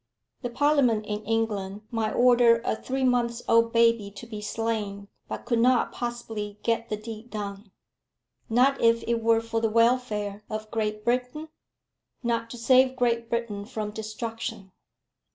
"The Parliament in England might order a three months old baby to be slain, but could not possibly get the deed done." "Not if it were for the welfare of Great Britain?" "Not to save Great Britain from destruction.